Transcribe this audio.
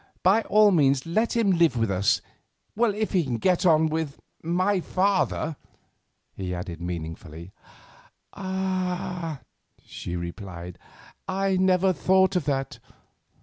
By all means let him live with us—if he can get on with my father," he added meaningly. "Ah!" she replied, "I never thought of that.